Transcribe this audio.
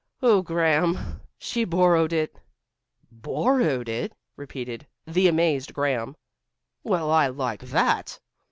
"Oh, Graham, she borrowed it." "Borrowed it!" repeated the amazed Graham. "Well, I like that."